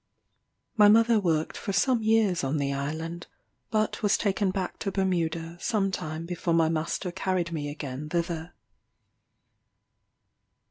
My mother worked for some years on the island, but was taken back to Bermuda some time before my master carried me again thither.